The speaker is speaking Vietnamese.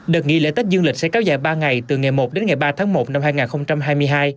đợt nghỉ lễ tết dương lịch sẽ kéo dài ba ngày từ ngày một đến ngày ba tháng một năm hai nghìn hai mươi hai